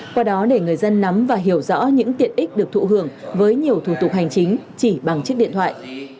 qua đó để người dân nắm và hiểu rõ những tiện ích được thụ hưởng với nhiều thủ tục hành chính chỉ bằng chiếc điện thoại